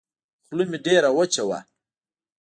خوله مې ډېره وچه وه.